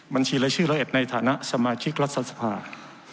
บัญชีและชื่อละเอ็ดในฐานะสมาชิกรัฐสภาพุทธแหลศดร